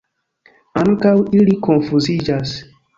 Ankaŭ ili konfuziĝas.